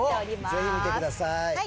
ぜひ見てください。